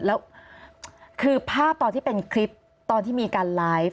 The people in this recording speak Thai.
แล้วคือภาพตอนที่เป็นคลิปตอนที่มีการไลฟ์